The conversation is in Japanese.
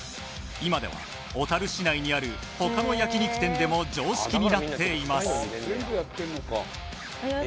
今では小樽市内にある他の焼き肉店でも常識になっています